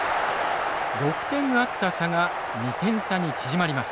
６点あった差が２点差に縮まります。